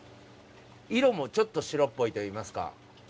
色もちょっと白っぽいといいますか。